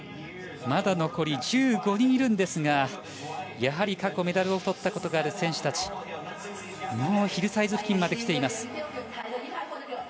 残り１５人いるんですがやはり過去、メダルをとったことがある選手たちがヒルサイズ付近まで来ています。